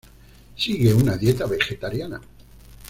Sigue una dieta vegetariana.